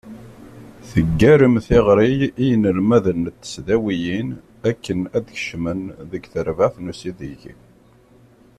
Teggarem tiɣri i yinelmaden n tesdawiyin akken ad d-kecmen deg terbaɛt n usideg.